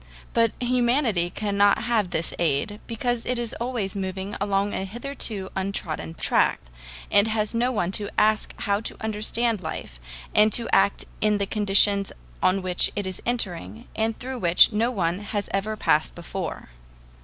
But humanity cannot have this aid, because it is always moving along a hitherto untrodden track, and has no one to ask how to understand life, and to act in the conditions on which it is entering and through which no one has ever passed before.